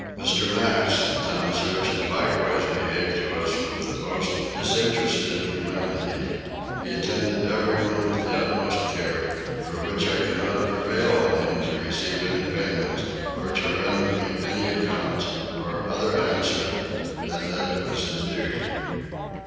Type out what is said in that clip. Mr. Max the town surgeon likewise behaved to us with the most disinterested humanity: he attended everyone with the utmost care, for which I could not prevail on him to receive any payment, or to render me any account, or other answer than that it was his duty.